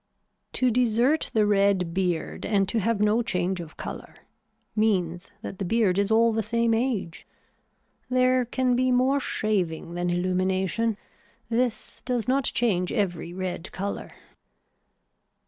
To desert the red beard and to have no change of color means that the beard is all the same age. There can be more shaving than illumination. This does not change every red color.